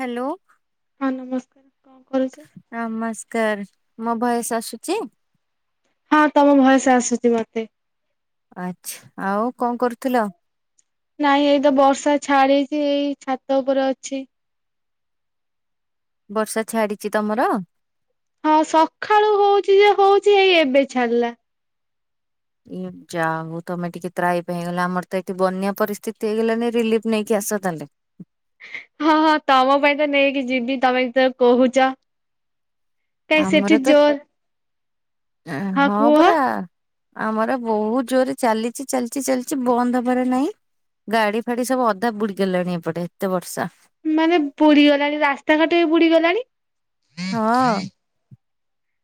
Hello. ହଁ ନମସ କରୁଛି। ନମସ୍କାର ମୋ ଭୟସ୍ ଆସୁଛି? ହଁ ତମ ଭୟସ ଆସୁଛି ମତେ। ଆଛା ଆଉ କଣ କରୁଥିଲ? ନାଇଁ ଏଇତ ବର୍ଷା ଛାଡିଛି ଏଇ ଛାତ ଉପରେ ଅଛି। ବର୍ଷା ଛାଡିଛି ତମର? ହଁ ସକାଳୁ ହଉଚି ଯେ ହଉଚି ଏଇ ଏବେ ଛାଡିଲା। ଏ ଯାହା ହଉ ତମେ ଟିକେ ତ୍ରାହି ପାଇଁ ହେଇଗଲା। ଆମର ତ ଏଠି ବନ୍ୟା ପରିସ୍ଥିତି ହେଇଗଲାନି ରିଲିଫ ନେଇକି ଆସ ତାହେଲେ। ହଁ ହଁ ତମ ପାଇଁ ତ ନେଇକି ଯିବି ତମେ ଜେତେଳେ କହୁଛ। କାଇ ସେଇଠି ଜୋର ଆ ହଁ ପରା। ଆମର ବହୁତ ଜୋରେ ଚାଲିଛି ଚାଲିଛି ଚାଲିଛି ବନ୍ଦ ହବାରେ ନାହିଁ। ଗାଡି ଫାଡି ସବୁ ଅଧା ବୁଡିଗଲାଣି ଏପଟେ ଏତେ ବର୍ଷା। ମାନେ ବୁଡି ଗଲାଣି ରାସ୍ତାଘାଟ ବି ବୁଡି ଗଲାଣି? ହଁ।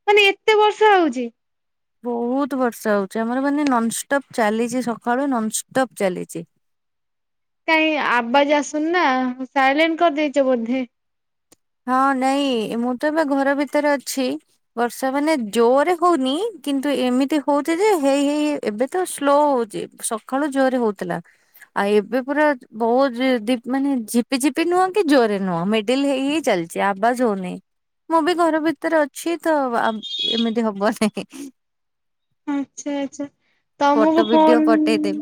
ମାନେ ଏତେ ବର୍ଷା ହଉଛି? ବହୁତ ବର୍ଷା ହଉଛି ଆମର ମାନେ ନନଷ୍ଟପ ଚାଲିଛି ସକାଳୁ ନନଷ୍ଟପ ଚାଲିଛି। କାଇ ଆବାଜ ଆସୁନି ନା ସାଇଲେଣ୍ଟ କରିଦେଇଛ ବୋଧେ? ହଁ ନାଇଁ ମୁଁ ତ ଏବେ ଘର ଭିତରେ ଅଛି। ବର୍ଷା ମାନେ ଜୋରରେ ହଉନି କିନ୍ତୁ ଏମିତି ହଉଛି ଯେ ହେଇ ହେଇ ଏବେ ତ ସ୍ଲୋ ହଉଛି। ସକାଳୁ ଜୋରରେ ହଉଥିଲା। ଆଉ ଏବେ ପୁରା ବହୁତ ଡିପ୍ ମାନେ ଝିପି ଝିପି ନୁହଁ କି ଜୋରେ ନୁହଁ ମିଡିଲି ହେଇ ହେଇ ଚାଲିଛି ଆବାଜ ହଉନି। ମୁଁ ବି ତ ଘର ଭିତରେ ଅଛି ତ ଆବ ଏମିତି ହବ ନି। ଆଚ୍ଛା ଆଚ୍ଛା ଫଟୋ ତମକୁ ଭିଡିଓ ଫୋନ୍ ପଠେଇଦେବି।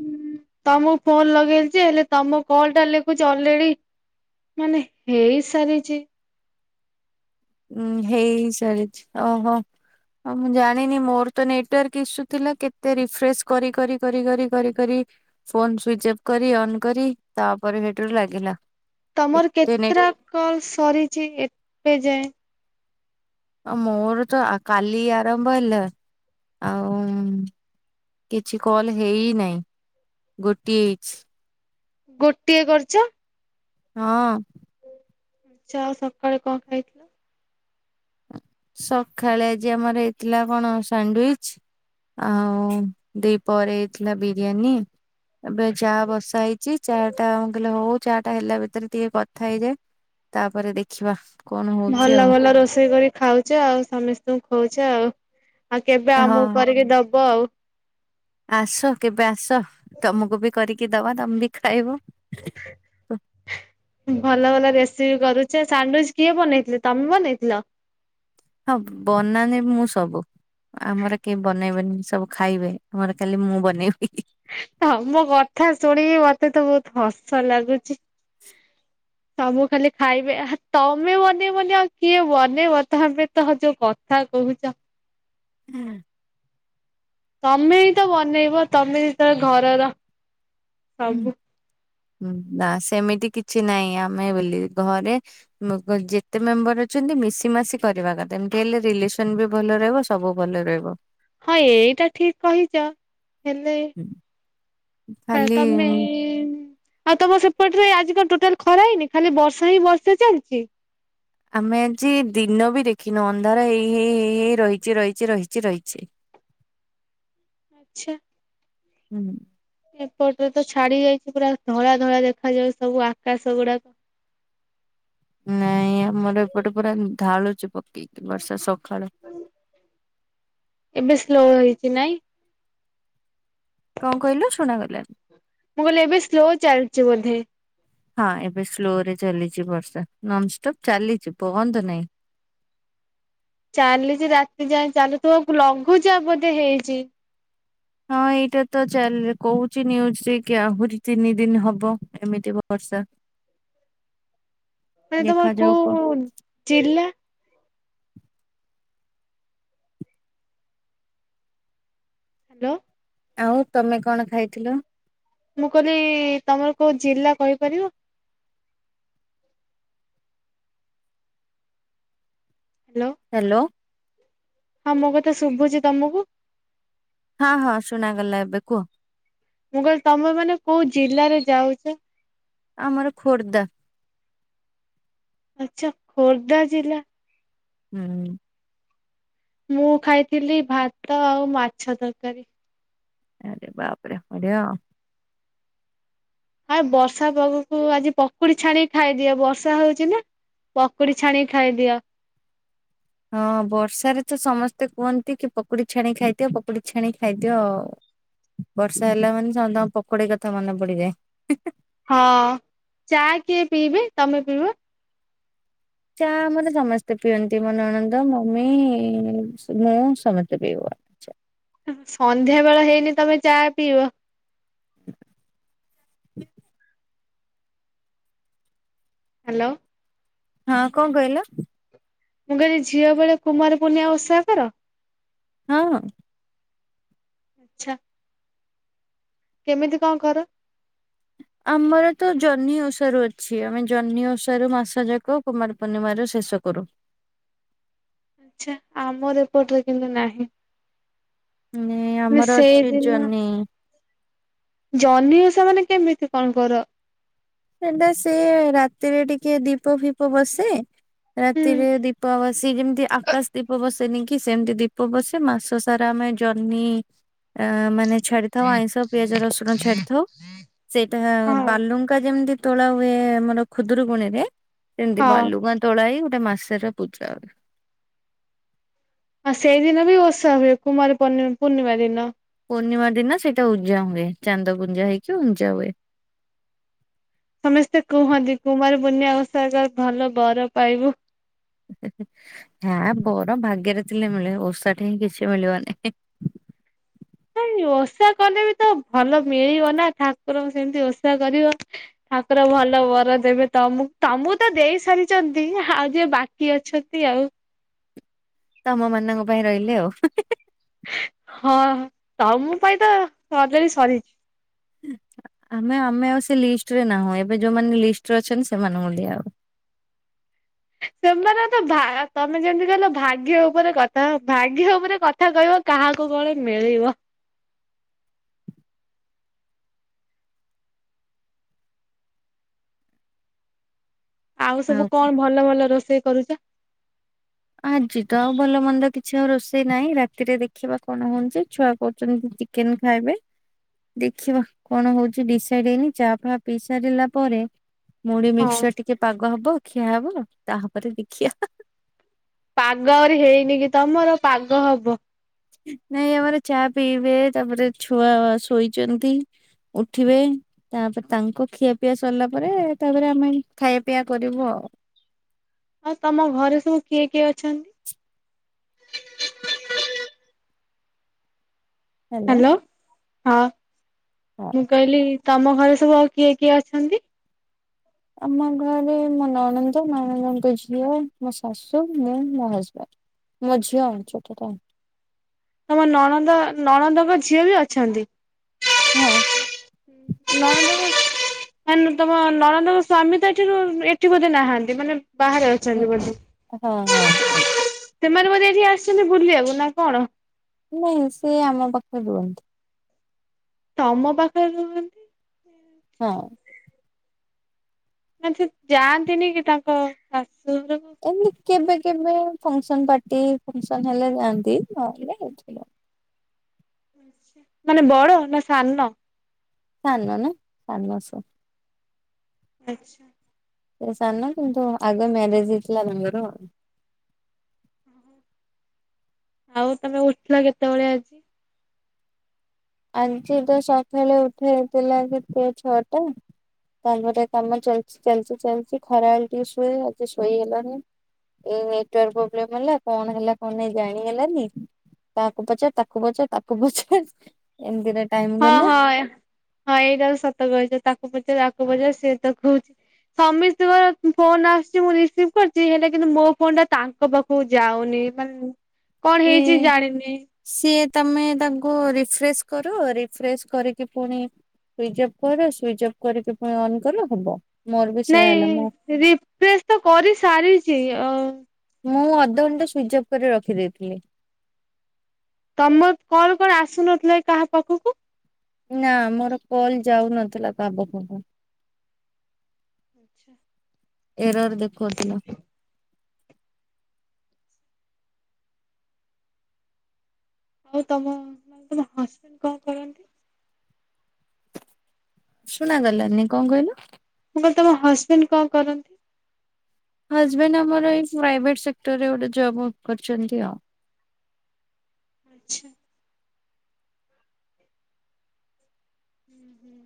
ତମକୁ ଫୋନ ଲଗେଇଲି ଯେ ହେଲେ ତମ କଲ ଟା ଲେଖୁଛି ଅଲରେଡି ମାନେ ହେଇସାରିଛି। ଉଁ ହେଇ ସାରିଛି ଓହୋ। ହ ମୁଁ ଜାଣିନି ମୋର ତ ନେଟ ୱର୍କ ଇସୁ ଥିଲା କେତେ ରିଫ୍ରେଶ କରି କରି କରି କରି କରି କରି ଫୋନ ସୁଇଚ ଅଫ୍ କରି ଅନ୍ କରି ତାପରେ ସେଠରୁ ଲାଗିଲା। ତମର ଏତେ ନେଟ କେତେଟା କଲ ସରିଛି ଏବେ ଯାଏଁ? ମୋର ତ କାଲି ଆରମ୍ଭ ହେଲା। ଆଉ କିଛି କଲ ହେଇନାହିଁ। ଗୋଟିଏଇଚି। ଗୋଟିଏ କରିଛ? ହଁ। ଚା ଆଉ ସକାଳେ କଣ ଖାଇଥିଲ? ସକାଳେ ଆଜି ଆମର ହେଇଥିଲା କଣ ସ୍ୟାଣ୍ଡୱିଚ୍। ଆଉ ଦିପରେ ହେଇଥିଲା ବିରିୟାନୀ। ଏବେ ଚା ବସା ହେଇଛି ଚା ଟାମୁଁ କହିଲି ହଉ ଚା ଟା ହେଲା ଭିତରେ ଟିକେ କଥା ହେଇଯାଏ। ତାପରେ ଦେଖିବା। କଣ ହଉଛି ଭଲ ଆଉ ଭଲ ରୋଷେଇ କରି ଖାଉଛ ଆଉ ସମସ୍ତଙ୍କୁ ଖୋଉଛ ଆଉ। ଆଉ କେବେ ହଁ ଆମକୁ କରିକି ଦବ ଆଉ। ଆସ କେବେ ଆସ ତମକୁ ବି କରିକି ଦବା ତମେ ବି ଖାଇବ। ଭଲ ଭଲ ରେସିପି କରୁଛ ସାଣ୍ଡୱିଚ କିଏ ବନେଇଥିଲେ ତମେ ବନେଇଥିଲ? ହଁ ବନାନି ମୁଁ ସବୁ। ଆମର କେହି ବନେଇବେନି ସବୁ ଖାଇବେ ଆମର କାଲି ମୁଁ ବନେଇବି। ତମ କଥା ଶୁଣିକି ମତେ ତ ବହୁତ ହସ ଲାଗୁଛି। [inaudible] ତମୁ ଖାଲି ଖାଇବେ ଆ ତମେ ବନେଇବନି ଆଉ କିଏ ବନେଇବ? ତମେ ତ ଯୋଉ କଥା କହୁଛ। ହୁଁ। ତମେ ହିଁ ତ ବନେଇବ ତମେ ଯେତେଳେ ଘରର ସବୁ ହୁଁଁ ନା ସେମିତି କିଛି ନାହିଁ ଆମେ ବୋଲି ଘରେ ଯେତେ ମେମ୍ବର ଅଛନ୍ତି ମିଶି ମାସି କରିବା କଥା ଏମତି ହେଲେ ରିଲେସନ ବି ଭଲ ରହିବ। ସବୁ ଭଲ ରହିବ। ହଁ ଏଇଟା ଠିକ କହିଛ। ହେଲେ [inaudible] ହ ଖାଲି ତମେ ଆଉ ତମ ସେପଟରେ ଆଜି କଣ ଟୋଟାଲ ଖରା ହେଇନି ଖାଲି ବର୍ଷା ହିଁ ବର୍ଷା ଚାଲିଛି? ଆମେ ଆଜି ଦିନ ବି ଦେଖିନୁ ଅନ୍ଧାର ହେଇ ହେଇ ହେଇ ହେଇ ରହିଛି ରହିଛି ରହିଛି ରହିଛି। ଆଛା। ହୁଁ। ଏପଟରେ ତ ଛାଡି ଯାଇଛି ପୁରା ଧଳା ଧଳା ଦେଖାଯାଉଚି ସବୁ ଆକାଶ ଗୁଡାକ। ନାଇଁ ଆମର ଏପଟେ ପୁରା ଢାଳୁଛି ପକେଇକି ବର୍ଷା ସକାଳୁ। ଏବେ ସ୍ଲୋ ହେଇଛି ନାଇଁ? କଣ କହିଲୁ ଶୁଣା ଗଲାନି। ମୁଁ କହିଲି ଏବେ ସ୍ଲୋ ଚାଲିଛି ବୋଧେ। ହଁ ଏବେ ସ୍ଲୋ ରେ ଚାଲିଛି ବର୍ଷା ନନଷ୍ଟପ୍ ଚାଲିଛି ବନ୍ଦ ନାଇଁ। ଚାଲିଛି ରାତି ଯାଏ ଚାଲୁଥିବ ତୁ ଲଘୁଚାପ ବୋଧେ ହେଇଚି। ହଁ ଏଇଟା ତ ଚାଲ କହୁଚି ନିୟୁଜ ରେ କି ଆହୁରି ତିନି ଦିନ ହବ ଏମିତି ବର୍ଷା। [inaudible] ମାନେ ତମର ଦେଖାଯାଉ କଣ କୋଉ ଜିଲ୍ଲା? ହ୍ୟାଲୋ। ଆଉ ତମେ କଣ ଖାଇଥିଲ? ମୁଁ କହିଲି ତମର କୋଉ ଜିଲ୍ଲା କହିପାରିବ? ହ୍ୟାଲୋ। ହ୍ୟାଲୋ। ହଁ ମୋ କଥା ଶୁଭୁଛି ତମକୁ? ହଁ ହଁ ଶୁଣାଗଲା ଏବେ କୁହ। ମୁଁ କହିଲି ତମେ ମାନେ କୋଉ ଜିଲ୍ଲାରେ ଯାଉଚ? ଆମର ଖୋର୍ଦ୍ଧା। ଆଛା ଖୋର୍ଦ୍ଧା ଜିଲ୍ଲା। ହୁଁ। ମୁଁ ଖାଇଥିଲି ଭାତ ଆଉ ମାଛ ତରକାରୀ। ଆରେ, ବାପରେ! ବଢିଆଉଁ। ଆଉ, ବର୍ଷା ପାଗକୁ ଆଜି ପକୁଡି ଛାଣିକି ଖାଇଦିଅ। ବର୍ଷା ହଉଛି ନା। ପକୁଡି ଛାଣିକି ଖାଇଦିଅ। ହଁ, ବର୍ଷାରେ ତ ସମସ୍ତେ କୁହନ୍ତି କି, ପକୁଡି ଛାଣି ଖାଇଦିଅ। ପକୁଡି ଛାଣି ଖାଇଦିଅ ଆଉ। ବର୍ଷା ହେଲା ମାନେ ସମସ୍ତଙ୍କ, ପକୁଡ଼ି କଥା ମନେ ପଡିଯାଏ। ହଁ, ଚା' କିଏ ପିଇବେ ତମେ ପିଇବ? ଚା ଆମର ସମସ୍ତେ ପିଅନ୍ତି। ମୋ ନଣନ୍ଦ, ମମି-ଇ, ମୁଁ ସମସ୍ତେ ପିଉ। ସନ୍ଧ୍ୟା ବେଳ ହେଇନି, ତମେ ଚା' ପିଇବ। [inaudible] ହ୍ୟାଲୋ। ହଁ, କଣ କହିଲ? ମୁଁ କହିଲି, ଝିଅ ବେଳେ କୁମାର ପୁନିଆ ଓଷା କର? ହଁ। ଚ୍ଛା। କେମିତି କଁ କର? ଆମର ତ ଜହ୍ନି ଓଷାରୁ ଅଛି। ଆମେ ଜହ୍ନି ଓଷାରୁ ମାସ ଯାକ କୁମାର ପୂର୍ଣ୍ଣିମାରେ ଶେଷ କରୁ। ଆଛା, ଆମର ଏପଟରେ କିନ୍ତୁ ନାହିଁ। ନେ ଆମର ଅଛି ସେଇଦିନ ଜହ୍ନି। ଜହ୍ନି ଓଷା ମାନେ, କେମିତି କଣ କର? ସେଟାସେ-ଏ ରାତିରେ ଟିକେ ଦୀପ ଫିପ ବସେ, ହୁଁ ରାତିରେ ଦିପ୍ ଦୀପ ବସେ ଯେମତି ଆକାଶ ଦୀପ ବସେନି କି! ସେମିତି ଦୀପ ବସେ, ମାସ ସାରା ଆମେ ଜହ୍ନି ଆଁ ମାନେ ଛାଡିଥାଉ ଆଇଁଷ ପିଆଜ ରସୁଣ ଛାଡିଥାଉ। ସେଇଟା ହଁ। ବାଲୁଙ୍କା ଯେମିତି ତୋଳା ହୁଏ ଆମର ଖୁଦରୁକୁୁଣୀ ରେ, ସେମିତି ହଁ ବାଲୁକାଁ ତୋଳା ହେଇ ଗୋଟେ ମାସରେ ପୂଜା ହ ଆ ସେଇଦିନ ବି ଓଷା ହୁଏ। କୁମାର ପର୍ଣି ପୂର୍ଣ୍ଣିମା ଦିନ। ପୂର୍ଣ୍ଣିମା ଦିନ ସେଇଟା ଉଜାଁ ହୁଏ। ଚାନ୍ଦ ପୁଞ୍ଜା ହେଇକି ଉଞ୍ଜା ହୁଏ। ସମସ୍ତେ କୁହନ୍ତି, କୁମାରପୂର୍ଣ୍ଣିଆ ଓଷା କଲେ ଭଲ ବର ପାଇବୁ। ହା, ବର ଭାଗ୍ୟରେ ଥିଲେ ମିଳେ। ଓଷାଠେଇଁ କିଛି ମିଳିବନି। ଓଷା କଲେ ବି ତ ଭଲ ମିଳିବ ନା, ଠାକୁରଙ୍କୁ ସେମତି ଓଷା କରିବ। ଠାକୁର ଭଲ ବର ଦେବେ ତମୁ ତମକୁ ତ ଦେଇ ସାରିଛନ୍ତି। ଆଉ ଯିଏ ବାକ କି ଅଛନ୍ତି ଆଉ! ତମ ମାନଙ୍କ ପାଇଁ ରହିଲେ ଆଉ। ହଁ, ତମ ପାଇଁ ତ ଅଜରି ସରିଛି। ଆମେ ଆମେ ଆଉ ସେ ଲିଷ୍ଟରେ ନାହୁଁ। ଏବେ ଯୋଉମାନେ ଲିଷ୍ଟରେ ଅଛନ୍ତି, ସେମାନଙ୍କୁ ଦିଆ ହବ। ସେମାନେ ତ ଭା ତମେ ଯେମିତି କହିଲ, ଭାଗ୍ୟ ଉପରେ କଥା, ଭାଗ୍ୟ ଉପରେ କଥ କଥା କହିବ, କାହାକୁ କଣ ମିଳିବ? ଆଉ, ସବୁ କଣ ଭଲ ଭଲ ରୋଷେଇ କରୁଛ? ଆଜି ତ ଆଉ ଭଲ ମନ୍ଦ କିଛି ଆଉ ରୋଷେଇ ନାହିଁ। ରାତିରେ ଦେଖିବା କଣ ହଉଞ୍ଚି। ଛୁଆ କହୁଛନ୍ତି ଚିକ୍ କେନ୍ ଖାଇବେ? ଦେଖିବା କଣ ହଉଛି? ଡିସାଇଡ୍ ହେଇନି ଚା' ଫା ପିଇ ସାରିଲା ପରେ ମୁଢ଼ି ହଁ। ମିକ୍ସଚର ଟିକେ ପାଗ ହବ, ଖିଆ ହବ। ତା'ପରେ ଦେଖିବା। ପାଗ ଆହୁରି ହେଇନି କି ତମର! ପାଗ ହବ। ନାଇଁ, ଆମର ଚା' ପିଇବେ। ତା'ପରେ ଛୁଆ ଶୋଇଚନ୍ତି ଉଠିବେ। ତା'ପରେ ତାଙ୍କ ଖିଆ ପିଆ ସରିଲା ପରେ, ତା'ପରେ ଆମେ ଖାଇବା ପିଇବା କରିବୁ ଆଉ। ଆଉ, ତମ ଘରେ ସବୁ କିଏ କିଏ ଅଛନ୍ତି? ହ୍ୟାଲୋ। ହଁ, ହଁ ମୁଁ କହିଲି ତମ ଘରେ ସବୁ ଆଉ କିଏ କିଏ ଅଛନ୍ତି? ଆମ ଘରେ ମୋ ନଣଦ, ନଣଦଙ୍କ ଝିଅ, ମୋ ଶାଶୁ, ମୁଁ, ମୋ ହଜବାଣ୍ଡ। ମୋ ଝିଅ, ଛୋଟ ଟା। ତମ ନଣନ୍ଦ, ନଣନ୍ଦଙ୍କ ଝିଅ ବି ଅଛନ୍ତି? ହଁ। ନ [inaudible] ମାନେ ତମ ନଳନ୍ଦଙ୍କ ସ୍ଵାମୀ ତ ଏଠି ଏଠି ବୋଧେ ନାହାଁନ୍ତି ମାନେ ବାହାରେ ଅ ହଁ ବ ହଁ ହଁ ସେମାନେ ବୋଧେ ଏଠି ଆସିଛନ୍ତି ବୁଲିବାକୁ ନା କଣ? ନାଇଁ ସେ ଆମ ପାଖରେ ରୁହନ୍ତି। ତମ ପାଖରେ ରୁହନ୍ତି। ହଁ। ମାନେ ସେ ଯାଆନ୍ତିନି କି ତାଙ୍କ ଶାଶୁଘରକୁ? ଏମିତି କେବେ କେବେ ଫଙ୍କସନ ପାର୍ଟି ଫଙ୍କସନ ହେଲେ ଯାଆନ୍ତି ନହେଲେ ଏଇଠି ରହ ମାନେ ବଡ ନା ସାନ? ସାନ ନା ସାନ ସ ଆଚ୍ଛା। ସେ ସାନ କିନ୍ତୁ ଆଗେ ମ୍ୟାରେଜ ହେଇଥିଲା ତାଙ୍କର ଆଉ। ଆଉ ତମେ ଉଠିଲ କେତେବେଳେ ଆଜି? ଆଜି ତ ସକାଳେ ଉଠେଇ ହେଇଥିଲା କେତେ ଛଅଟା। ତା ପରେ କାମ ଚାଲଚି-ଚାଲଚି-ଚାଲଚି ଖରାବେଳେ ଟିକେ ଶୁଏ ଆଜି ଶୋଇହେଲାନି। ଏଇ ନେଟୱାର୍କ ପ୍ରୋବ୍ଲେମ ହେଲା କଣ ହେଲା କଣ ନାଇଁ ଜାଣି ହେଲାନି। ତାକୁ ପଚାର, ତାକୁ ପଚର୍, ତାକୁ ପଚାର ଏମ୍ତିରେ ହଁ-ହଁ-ହଁ ଏଇଟା ସତ କହିଛ। ତାକୁ ପଚାର ଆକୁ ପଚାର ସେତ କହୁଚି। ସମୀସ୍ତିଙ୍କର ଫୋନ ଆସୁଚି ମୁଁ ରିସିଭ୍ କରିଛି ହେଲେ କିନ୍ତୁ ମୋ ଫୋନଟା ତା ତାଙ୍କ ପାଖକୁ ଯାଉନି ମାନେ କଣ ସେ ହେଇଛି ଜାଣିନି। ସିଏ ତମେ ତାଙ୍କୁ ରିଫ୍ରେଶ କର ରିଫ୍ରେଶ କରିକି ପୁଣି ସୁଇଚ୍ ଅଫ୍ କର ସୁଇଚ୍ ଅଫ୍ କରିକି ପୁଣି ଅନ୍ କର ହବ। ମୋର ବି ସେୟା ହେଲା ମୁଁ ନାଇଁ ରିଫ୍ରେସ ତ କରି ସାରିଛି ଆଉ। ମୁଁ ଅଧଘଣ୍ଟା ସୁଇଚ ଅଫ୍ କରି ରଖିଦେଇଥିଲି। ତମ କଲ କଣ ଆସୁନଥିଲା କାହା ପାଖକୁ। ନା ମୋର କଲ ଯାଉନଥିଲା କାହା ପାଖକୁ। ଆଚ୍ଛା। ଏରର୍ ଦେଖଉଥିଲା। ଆଉ ତମ ମାନେ ତମ ହଜବେଣ୍ଟ କଣ କରନ୍ତି? ଶୁଣା ଗଲାନି କଣ କହିଲ? ମୁଁ କହିଲି ତମ ହସବେଣ୍ଡ କଣ କରନ୍ତି? ହଜବେଣ୍ଡ ଆମର ଏଇ ପ୍ରାଇଭେଟ ସେକ୍ଟର ରେ ଗୋଟେ ଜବ୍ କରିଛନ୍ତି ଆଉ। ଆଚ୍ଛା। ଉଁ ହୁଁ।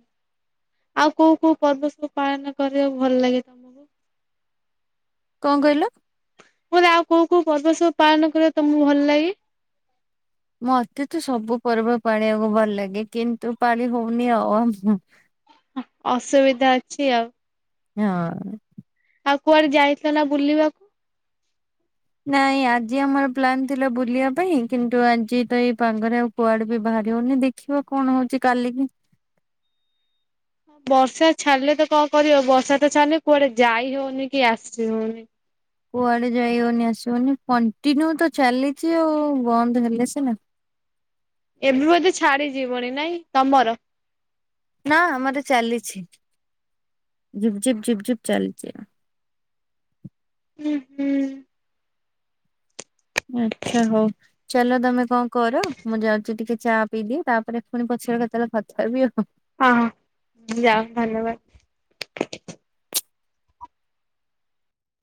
ଆଉ କୋଉ କୋଉ ପର୍ବ ସବୁ ପାଳନ କରିବାକୁ ଭଲ ଲାଗେ ତମକୁ? କଣ କହିଲ? ମୁଁ କହିଲି ଆଉ କୋଉ କୋଉ ପର୍ବ ସବୁ ପାଳନ କରିବାକୁ ତମକୁ ଭଲ ଲାଗେ? ମତେ ତ ସବୁ ପର୍ବ ପାଳିବାକୁ ଭଲ ଲାଗେ କିନ୍ତୁ ପାଳି ହଉନି ଆଉ। ଅସୁବିଧା ଅଛି ଆଉ। ହଁ। ଆଉ କୁଆଡେ ଯାଇଥିଲ ନା ବୁଲିବାକୁ? ନାଇଁ ଆଜି ଆମର ପ୍ଲାନ୍ ଥିଲା ବୁଲିବା ପାଇଁ କିନ୍ତୁ ଆଜି ତ ଏଇ ପାଗରେ ଆଉ କୁଆଡେ ବି ବାହାରି ହଉନି ଦେଖ ଦେଖିବା କଣ ହଉଛି କାଲିକି। ବର୍ଷା ଛାଡ଼ିଲେ ତ କଣ କରିବ ବର୍ଷା ତ ଛାଡିନେ କୁଆଡେ ଯାଇ ହଉନି କି ଆସି ହଉନି। କୁଆଡେ ଯାଇ ହଉନି ଆସିହଉନି କଣ୍ଟିନ୍ୟୁ ତ ଚାଲିଚି ଆଉ ବନ୍ଦ ହେଲେ ସିନା। ଏବେ ବୋଧେ ଛାଡିଯିବଣି ନାଇଁ ତମର? ନା ଆମର ଚାଲିଛି ଝିପ ଝିପ ଝିପି ଝିପି ଚାଲିଛି। ଉଁ ହୁଁ। ଆଚ୍ଛା ହଉ। ଚାଲ ତମେ କଣ କର ମୁଁ ଯାଉଛି ଟିକେ ଚା ପିଇଦିଏ ତାପରେ ପୁଣି ପଛରେ କେତେବେଳେ କଥା ହେବି ଆଉ। ହଁ ହଁ ଯାଅ ଧନ୍ୟବାଦ।